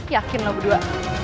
yakin lo berdua